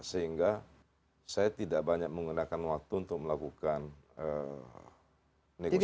sehingga saya tidak banyak menggunakan waktu untuk melakukan negosiasi